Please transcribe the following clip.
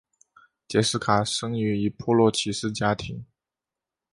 杰式卡生于一破落骑士家庭。